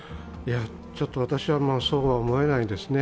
ちょっと私はそうは思えないですね。